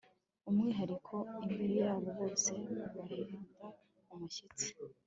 Umwihariko imbere yabo bose bahinda umushyitsi